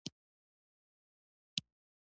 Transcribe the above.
رسۍ د هر چا په کور کې موندل کېږي.